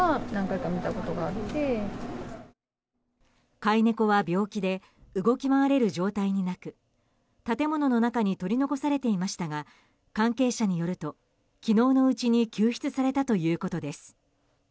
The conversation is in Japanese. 飼い猫は病気で動き回れる状態になく建物の中に取り残されていましたが関係者によると昨日のうちに救出されたということです。